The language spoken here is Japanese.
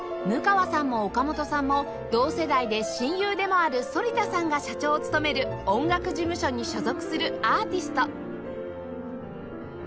務川さんも岡本さんも同世代で親友でもある反田さんが社長を務める音楽事務所に所属するアーティスト